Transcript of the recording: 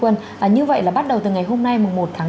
như vậy là bắt đầu từ ngày hôm nay một tháng một mươi hai